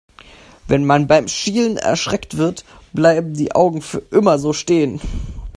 Wenn man beim Schielen erschreckt wird, bleiben die Augen für immer so stehen.